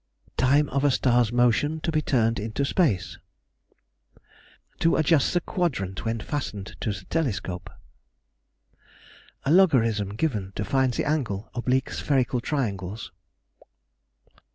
Time of a star's motion to be turned into space. To adjust the quadrant when fastened to the telescope. A logarithm given, to find the angle. Oblique spherical triangles."